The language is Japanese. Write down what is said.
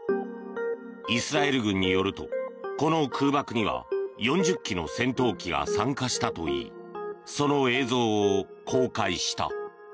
イスラエル軍によるとこの空爆には４０機の戦闘機が参加したといいその映像を公開した。